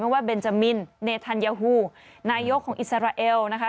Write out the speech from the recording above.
ว่าเบนจามินเนธัญฮูนายกของอิสราเอลนะคะ